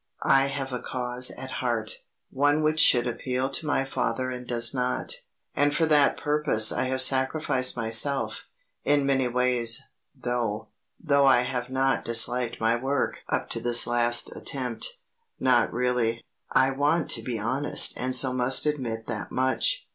"I have a cause at heart one which should appeal to my father and does not; and for that purpose I have sacrificed myself, in many ways, though though I have not disliked my work up to this last attempt. Not really. I want to be honest and so must admit that much.